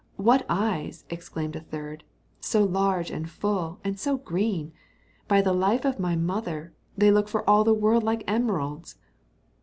"What eyes!" exclaimed a third; "so large and full, and so green! By the life of my mother, they look for all the world like emeralds."